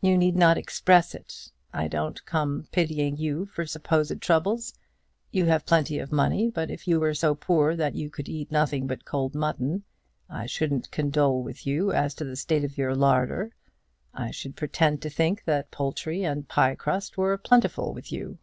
"You need not express it. I don't come pitying you for supposed troubles. You have plenty of money; but if you were so poor that you could eat nothing but cold mutton, I shouldn't condole with you as to the state of your larder. I should pretend to think that poultry and piecrust were plentiful with you."